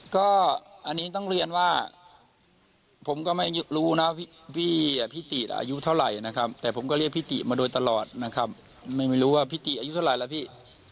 ก็อันนี้ต้องเรียนว่าผมก็ไม่รู้นะพี่ติอายุเท่าไหร่นะครับแต่ผมก็เรียกพี่ติมาโดยตลอดนะครับไม่รู้ว่าพี่ติอายุเท่าไหร่แล้วพี่